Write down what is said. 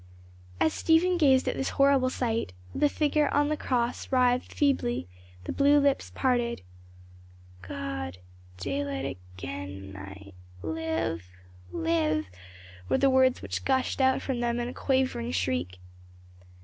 As Stephen gazed at this horrible sight, the figure on the cross writhed feebly, the blue lips parted. "God! daylight again, and I live live " were the words which gushed out from them in a quavering shriek.